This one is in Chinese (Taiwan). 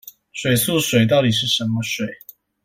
水素水到底是什麼水